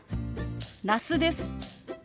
那須です。